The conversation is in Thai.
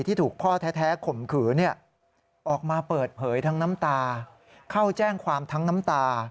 ที่ถูกพ่อแท้ข่มขืนออกมาเปิดเผยทั้งน้ำตาเข้าแจ้งความทั้งน้ำตา